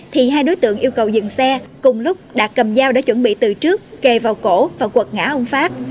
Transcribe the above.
thì hai đối tượng yêu cầu dừng xe cùng lúc đã cầm dao để chuẩn bị từ trước kề vào cổ và quật ngã ông phát